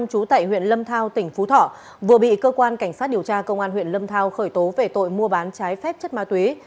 chú tại huyện lâm thao tỉnh phú thọ vừa bị cơ quan cảnh sát điều tra công an huyện lâm thao khởi tố về tội mua bán trái phép chất ma túy